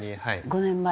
５年前。